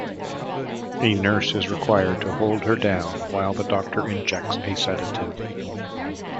A nurse is required to hold her down while the doctor injects a sedative.